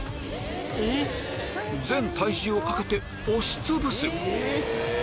全体重をかけて押しつぶす！